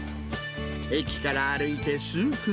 駅から歩いて数分。